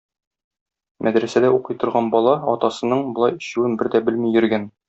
Мәдрәсәдә укый торган бала атасының болай эчүен бер дә белми йөргән.